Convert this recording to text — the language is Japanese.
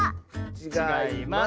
ちがいます。